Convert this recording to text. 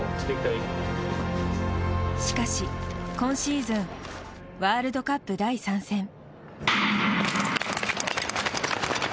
しかし、今シーズンワールドカップ第３戦。